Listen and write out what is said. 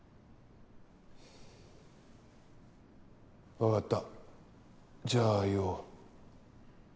わかったじゃあ言おう。